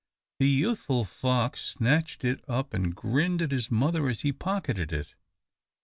The youthful fox snatched at it, and grinned at his mother as he pocketed it.